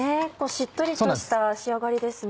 しっとりとした仕上がりですね。